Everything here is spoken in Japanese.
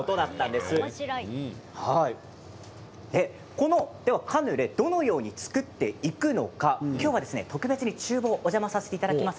このカヌレどのように作っていくのか今日は特別に、ちゅう房をお邪魔させていただきます。